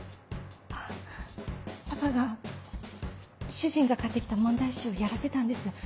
パパが主人が買って来た問題集をやらせたんです。